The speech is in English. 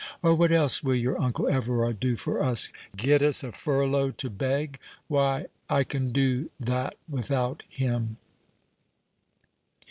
Or what else will your uncle Everard do for us? Get us a furlough to beg? Why, I can do that without him."